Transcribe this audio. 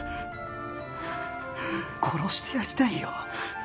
殺してやりたいよ